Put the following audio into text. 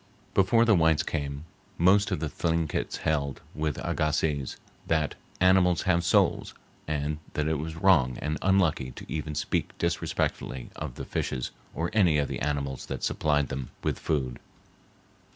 Before the whites came most of the Thlinkits held, with Agassiz, that animals have souls, and that it was wrong and unlucky to even speak disrespectfully of the fishes or any of the animals that supplied them with food.